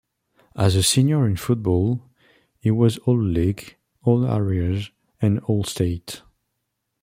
As a senior in football, he was All-League, All-Area, and All-State.